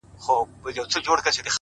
صدقه دي سم تر تكــو تــورو سترگو،